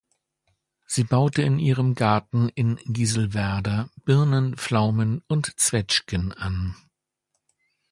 Sie baute in ihrem Garten in Gieselwerder Birnen, Pflaumen und Zweschtgen an.